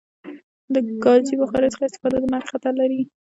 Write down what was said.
د کازی بخاری څخه استفاده د مرګ خطر لری